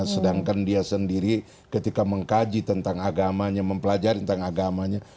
sedangkan dia sendiri ketika mengkaji tentang agamanya mempelajari tentang agamanya